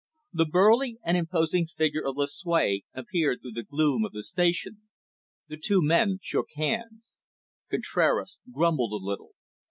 The burly and imposing figure of Lucue appeared through the gloom of the station. The two men shook hands. Contraras grumbled a little.